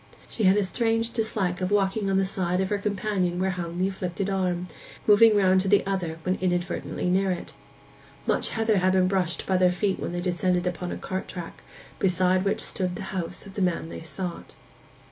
She had a strange dislike to walking on the side of her companion where hung the afflicted arm, moving round to the other when inadvertently near it. Much heather had been brushed by their feet when they descended upon a cart track, beside which stood the house of the man they sought.